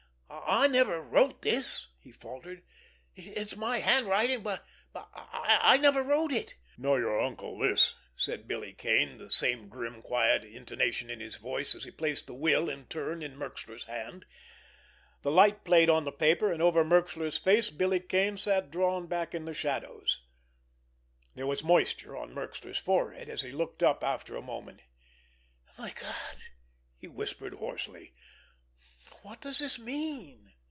"I—I never wrote this," he faltered. "It's my handwriting, but I—I never wrote it." "Nor your uncle this," said Billy Kane, the same grim, quiet intonation in his voice, as he placed the will in turn in Merxler's hand. The light played on the paper, and over Merxler's face. Billy Kane sat drawn back in the shadows. There was moisture on Merxler's forehead, as he looked up after a moment. "My God," he whispered hoarsely, "what does this mean?"